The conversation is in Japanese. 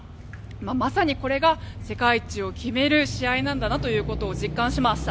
まさにこれが世界一を決める試合なんだなということを実感しました。